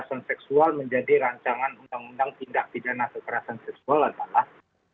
kekerasan seksual menjadi rancangan undang undang tindak pidana kekerasan seksual adalah